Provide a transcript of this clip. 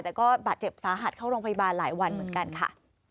แต่ก็บาดเจ็บสาหัสเข้าโรงพยาบาลหลายวันเหมือนกันค่ะ